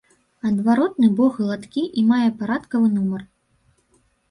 Адваротны бок гладкі і мае парадкавы нумар.